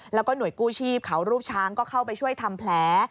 แล้วก็หน่วยกู้ชีพเขารูปช้างก็เข้าไปช่วยทำแผล